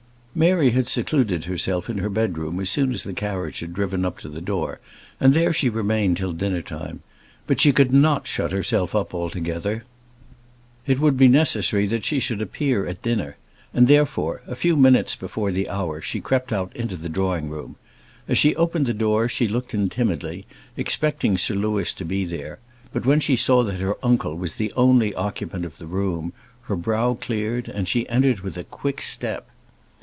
Mary had secluded herself in her bedroom as soon as the carriage had driven up to the door, and there she remained till dinner time. But she could not shut herself up altogether. It would be necessary that she should appear at dinner; and, therefore, a few minutes before the hour, she crept out into the drawing room. As she opened the door, she looked in timidly, expecting Sir Louis to be there; but when she saw that her uncle was the only occupant of the room, her brow cleared, and she entered with a quick step.